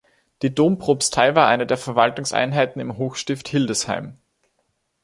Die Dompropstei war eine der Verwaltungseinheiten im Hochstift Hildesheim.